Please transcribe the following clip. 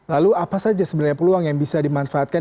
lalu apa saja sebenarnya peluang yang bisa dimanfaatkan